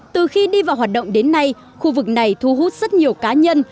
từ khi đi vào hoạt động đến nay khu vực này thu hút rất nhiều cá nhân